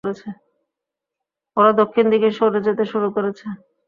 ওরা দক্ষিণ দিকে সরে যেতে শুরু করেছে।